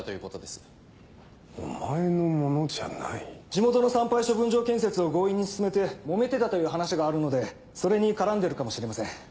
地元の産廃処分場建設を強引に進めてもめてたという話があるのでそれに絡んでるかもしれません。